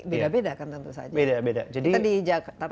beda beda kan tentu saja